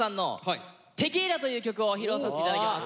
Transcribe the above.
‐テキーラ‐」という曲を披露させて頂きます。